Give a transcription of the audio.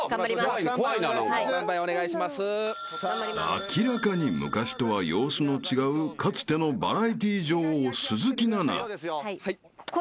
［明らかに昔とは様子の違うかつてのバラエティー女王鈴木奈々］